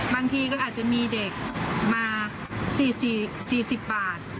บางทีก็อาจจะมีเด็กมา๔๐บาท